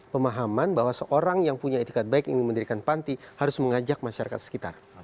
pemahaman bahwa seorang yang punya etikat baik ingin mendirikan panti harus mengajak masyarakat sekitar